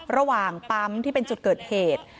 ระหว่างปั๊มที่เป็นจุดเกิดเหตุ